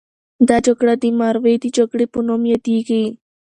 دا جګړه د مروې د جګړې په نوم یادیږي.